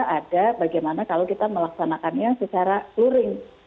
ada bagaimana kalau kita melaksanakannya secara luring